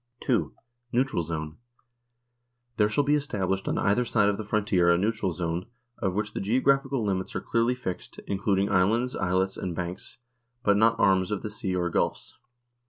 2. Neutral zone. There shall be established on either side of the frontier a neutral zone, of which the geographical limits are clearly fixed, including islands, islets, and banks, but not arms of the sea or gulfs.